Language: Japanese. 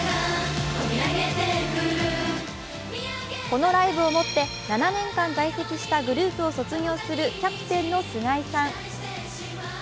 このライブをもって７年間在籍したグループを卒業するキャプテンの菅井さん。